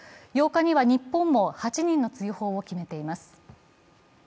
８日には日本も８人の追放を決めています。